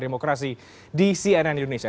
demokrasi di cnn indonesia